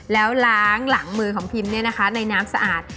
แล้วล้างหลังมือของพิมเนี่ยนะคะในน้ำสะอาด